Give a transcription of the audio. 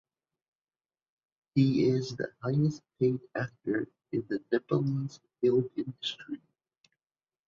He is the highest paid actor in the Nepalese film industry.